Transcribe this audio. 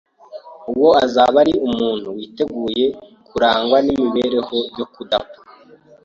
uwo azaba ari umuntu witeguye kuzaragwa imibereho yo kudapfa